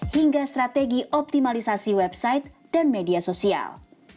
hingga strategi optimalisasi website dan media sosial